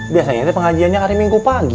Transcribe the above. biasanya itu pengajiannya hari minggu pagi